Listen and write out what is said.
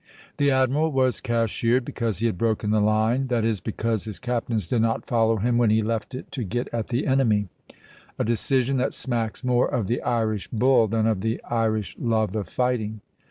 The admiral was cashiered because he had broken the line; that is, because his captains did not follow him when he left it to get at the enemy, a decision that smacks more of the Irish bull than of the Irish love of fighting.